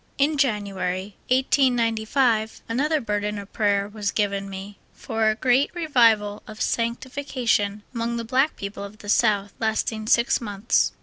In July, 1895, another burden of prayer was given me for a great Revival of sanctification among the black people of the South, lasting six months.